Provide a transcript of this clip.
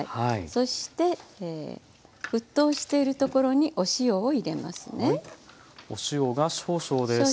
そして沸騰している所にお塩を入れますね。